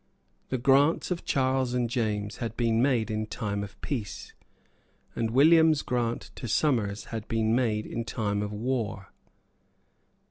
The grants of Charles and James had been made in time of peace; and William's grant to Somers had been made in time of war.